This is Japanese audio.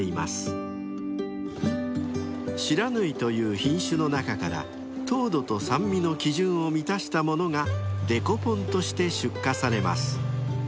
［不知火という品種の中から糖度と酸味の基準を満たしたものがデコポンとして出荷されます］